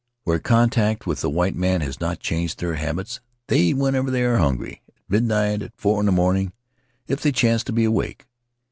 Where contact with the white man has not changed their habits, they eat whenever they are hungry — at midnight or at four in the morning, if they chance to be awake.